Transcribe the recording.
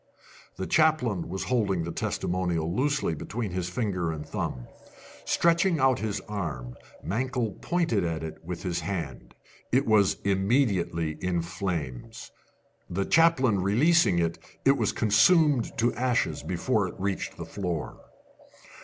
The chaplain was holding the testimonial loosely between his finger and thumb. Stretching out his arm, Mankell pointed at it with his hand. It was immediately in flames. The chaplain releasing it, it was consumed to ashes before it reached the floor.